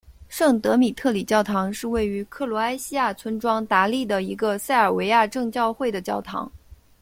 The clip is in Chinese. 圣德米特里教堂是位于克罗埃西亚村庄达利的一个塞尔维亚正教会的教堂。